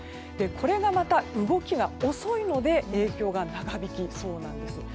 これがまた動きが遅いので影響が長引きそうなんです。